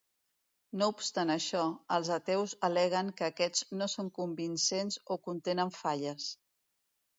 No obstant això, els ateus al·leguen que aquests no són convincents o contenen falles.